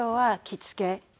着付け。